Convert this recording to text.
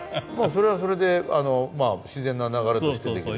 それはそれで自然な流れとしてできる。